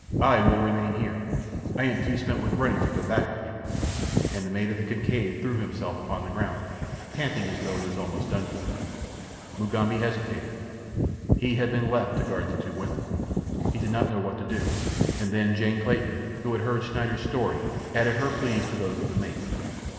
I will remain here. I am too spent with running to go back with you," and the mate of the Kincaid threw himself upon the ground, panting as though he was almost done for. Mugambi hesitated. He had been left to guard the two women. He did not know what to do, and then Jane Clayton, who had heard Schneider's story, added her pleas to those of the mate.